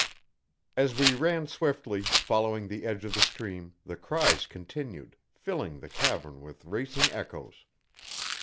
As we ran swiftly, following the edge of the stream, the cries continued, filling the cavern with racing echoes.